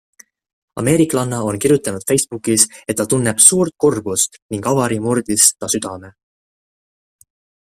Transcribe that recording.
Ameeriklanna on kirjutanud Facebookis, et ta tunneb suurt kurbust ning avarii murdis ta südame.